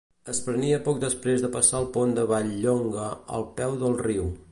Es prenia poc després de passat el pont de Vall-llonga, al peu del riu.